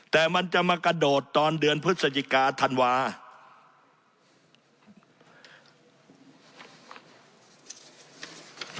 แต่มันจะมากระโดดตอนเดือนพฤศจิกาธันวาคม